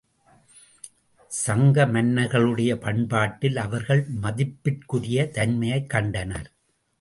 சங்க மன்னர்களுடைய பண்பாட்டில் அவர்கள் மதிப்பிற்குரிய தன்மையைக் கண்டனர்.